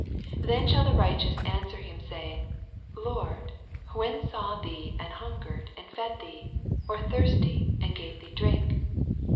87 Then shall the righteous answer him, saying. Lord, when saw we thee an hungered, and fed thee f or thirsty, and gave tkee drink?